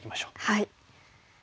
はい。